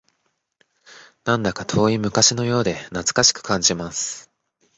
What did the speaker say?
なんだか遠い昔のようで懐かしく感じます